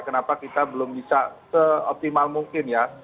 kenapa kita belum bisa seoptimal mungkin ya